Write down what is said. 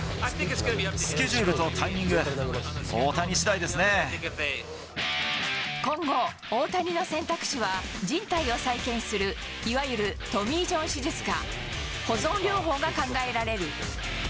スケジュールとタイミング、今後、大谷の選択肢は、じん帯を再建する、いわゆるトミー・ジョン手術か、保存療法が考えられる。